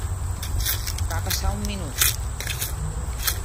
Va passar un minut.